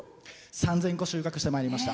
３０００個収穫してまいりました。